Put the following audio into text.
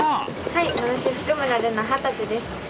はい私福村瑠菜二十歳です。